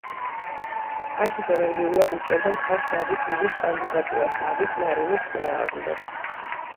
აქ ის ენერგიულად უჭერდა მხარს დავით ულუს კანდიდატურას დავით ნარინის წინააღმდეგ.